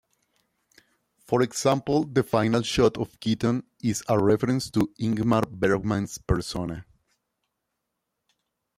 For example, the final shot of Keaton is a reference to Ingmar Bergman's "Persona".